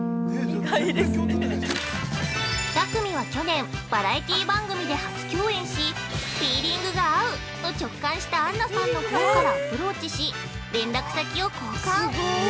２組は去年バラエティー番組で初共演しフィーリングが合うと直感したアンナさんのほうからアプローチし、連絡先を交換。